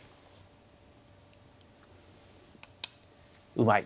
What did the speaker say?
うまい。